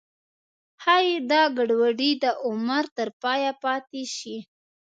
ښایي دا ګډوډي د عمر تر پایه پاتې شي.